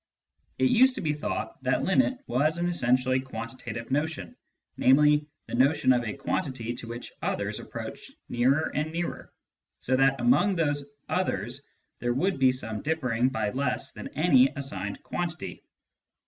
It used to be thought that " limit " was an essentially quantitative notion, namely, the notion of a quantity to which others approached nearer and nearer, so that among those others there would be some differing by less than any assigned quantity.